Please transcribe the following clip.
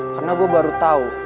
karna gue baru tau